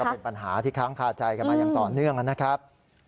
เป็นปัญหาที่ค้างคาใจกันมาอย่างต่อเนื่องนะครับ